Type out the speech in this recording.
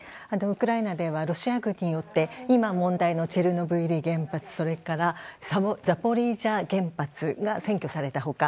ウクライナではロシア軍によって今、問題のチェルノブイリ原発それから、ザポリージャ原発が占拠された他